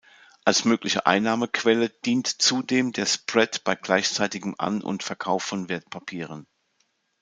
Als mögliche Einnahmequelle dient zudem der Spread bei gleichzeitigem An- und Verkauf von Wertpapieren.